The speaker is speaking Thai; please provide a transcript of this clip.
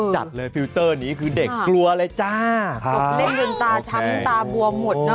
จัดเลยฟิลเตอร์นี้คือเด็กกลัวเลยจ้าเล่นจนตาช้ำตาบวมหมดเนอ